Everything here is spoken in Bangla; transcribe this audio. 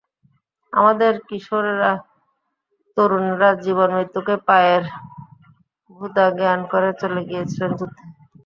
আমাদের কিশোরেরা, তরুণেরা জীবন-মৃত্যুকে পায়ের ভৃত্য জ্ঞান করে চলে গিয়েছিল যুদ্ধে।